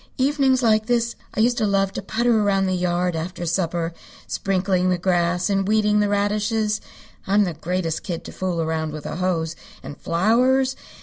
Evenings like this I used to love to putter around the yard after supper, sprinkling the grass and weeding the radishes. I'm the greatest kid to fool around with a hose. And flowers!